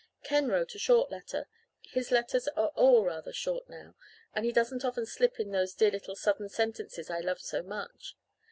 "Ken wrote a short letter. His letters are all rather short now and he doesn't often slip in those dear little sudden sentences I love so much.